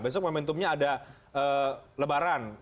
besok momentumnya ada lebaran